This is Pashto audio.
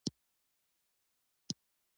افغانستان د ژمی د ترویج لپاره پروګرامونه لري.